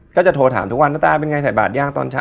ก็จะโทรถามทุกวันน้ำตาเป็นไงใส่บาทย่างตอนเช้า